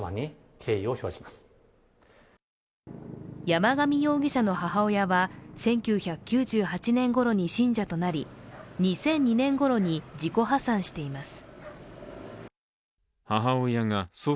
山上容疑者の母親は１９９８年ごろに信者となり２００２年ごろに自己破産しています。